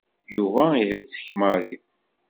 Yuba ihettek Mary.